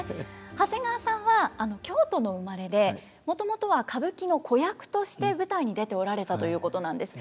長谷川さんは京都のお生まれでもともとは歌舞伎の子役として舞台に出ておられたということなんです。